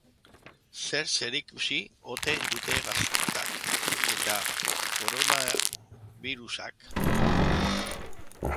Zer zerikusi ote dute gaztak eta koronabirusak?